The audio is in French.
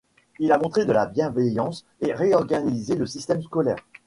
Il a montré de la bienveillance et réorganisé le système scolaire.